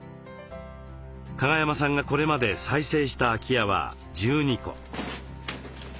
加賀山さんがこれまで再生した空き家は１２戸。